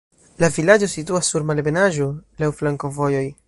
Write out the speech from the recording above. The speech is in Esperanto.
La vilaĝo situas sur malebenaĵo, laŭ flankovojoj.